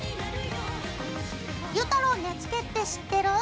ゆうたろう根付って知ってる？